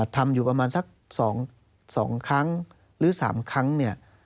ทำอยู่ประมาณสัก๒ครั้งหรือ๓ครั้งเนี่ย